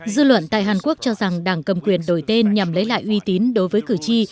dư luận tại hàn quốc cho rằng đảng cầm quyền đổi tên nhằm lấy lại uy tín đối với cử tri